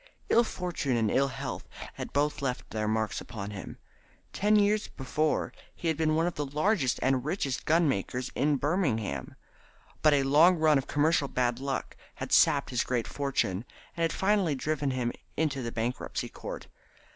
Ill fortune and ill health had both left their marks upon him. Ten years before he had been one of the largest and richest gunmakers in Birmingham, but a long run of commercial bad luck had sapped his great fortune, and had finally driven him into the Bankruptcy Court.